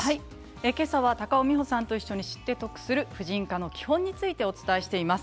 今朝は高尾美穂さんと一緒に知って得する婦人科の基本についてお伝えしています。